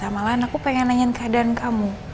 malahan aku pengen nanyain keadaan kamu